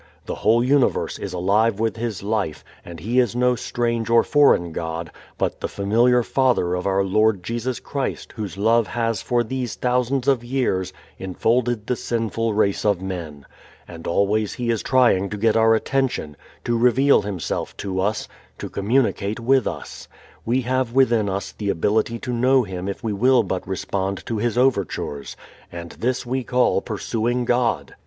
The whole universe is alive with His life. And He is no strange or foreign God, but the familiar Father of our Lord Jesus Christ whose love has for these thousands of years enfolded the sinful race of men. And always He is trying to get our attention, to reveal Himself to us, to communicate with us. We have within us the ability to know Him if we will but respond to His overtures. (And this we call pursuing God!)